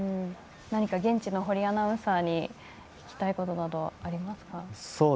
何か現地の堀アナウンサーに聞きたいことなどはありますか？